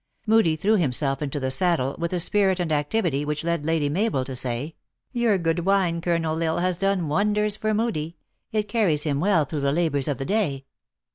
Moodie threw himself into the saddle with a spirit and activity w r hich led Lady Mabel to say :" Your good wine, Colonel L Isle, has done wonders for Moodie. It car ries him well through the labors of the day."